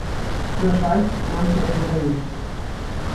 На жаль, нам гэта ўдаецца.